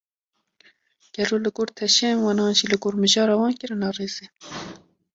Gelo li gor teşeyên wan, an jî li gor mijara wan kirine rêzê?